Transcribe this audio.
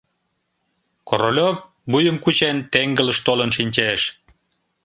Королёв, вуйым кучен, теҥгылыш толын шинчеш.